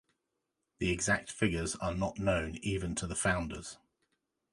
The exact figures are not known even to the founders.